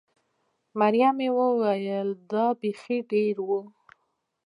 مريم وویل: دا بېخي ډېر و.